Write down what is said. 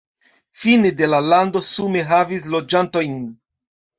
Fine de la lando sume havis loĝantojn.